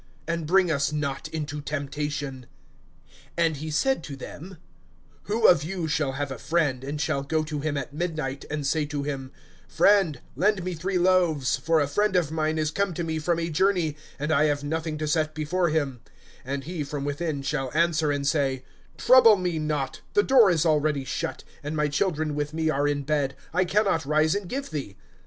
And bring us not into temptation. (5)And he said to them: Who of you shall have a friend, and shall go to him at midnight, and say to him: (6)Friend, lend me three loaves; for a friend of mine is come to me from a journey, and I have nothing to set before him; (7)and he from within shall answer and say, Trouble me not; the door is already shut, and my children with me are in bed; I can not rise and give thee?